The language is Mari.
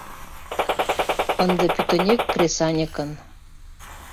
Ынде пӱтынек кресаньыкын.